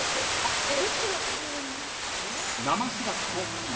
どっちがおすすめなんだろう。